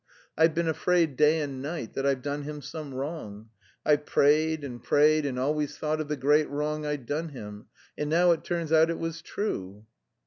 I've been afraid day and night that I've done him some wrong. I've prayed and prayed and always thought of the great wrong I'd done him. And now it turns out it was true."